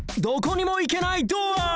どこにも行けないドア